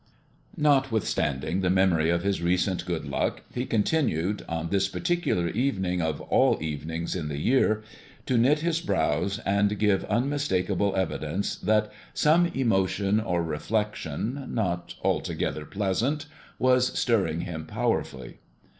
Notwithstanding the memory of his recent good luck, he continued, on this particular evening, of all evenings in the year, to knit his brows and give unmistakable evidence that some emotion or reflection, not altogether pleasant, was stirring him powerfully.